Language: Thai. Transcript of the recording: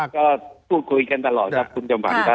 ก็พูดคุยกันตลอดครับคุณจำขวัญครับ